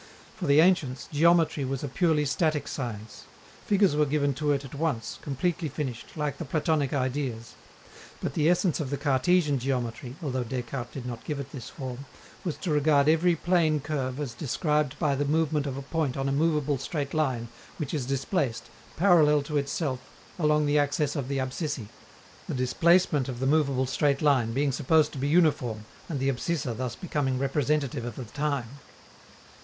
For the ancients, geometry was a purely static science. Figures were given to it at once, completely finished, like the Platonic Ideas. But the essence of the Cartesian geometry (although Descartes did not give it this form) was to regard every plane curve as described by the movement of a point on a movable straight line which is displaced, parallel to itself, along the axis of the abscissae the displacement of the movable straight line being supposed to be uniform and the abscissa thus becoming representative of the time.